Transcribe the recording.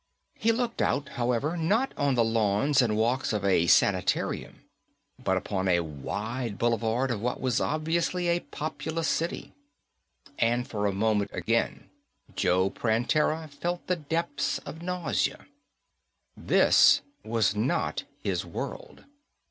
He looked out, however, not on the lawns and walks of a sanitarium but upon a wide boulevard of what was obviously a populous city. And for a moment again, Joe Prantera felt the depths of nausea. This was not his world.